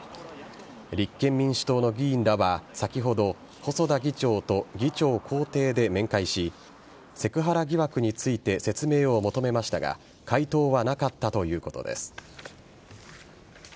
立憲民主党の議員らは先ほど細田議長と議長公邸で面会しセクハラ疑惑について説明を求めましたが回答はなかったということです。